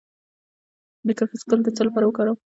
د کرفس ګل د څه لپاره وکاروم؟